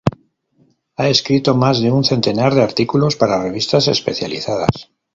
Ha escrito más de un centenar de artículos para revistas especializadas.